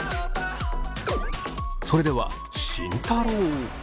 それでは慎太郎。